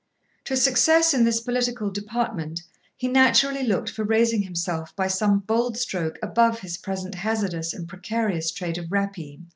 To success in this political department he naturally looked for raising himself by some bold stroke above his present hazardous and precarious trade of rapine.